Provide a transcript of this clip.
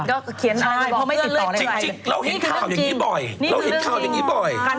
ก็เขียนให้บอกเพื่อนเลยจริงเราเห็นข่าวอย่างนี้บ่อยนี่คือเรื่องจริง